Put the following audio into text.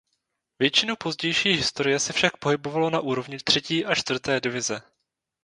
Většinu pozdější historie se však pohybovalo na úrovni třetí a čtvrté divize.